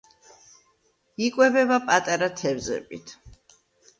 იკვებება პატარა თევზებით.